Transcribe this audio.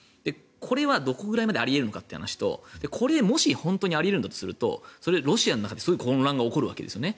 これはどこぐらいまであり得るのかという話とこれ、もしあり得るならロシアの中で混乱が起こるわけですよね。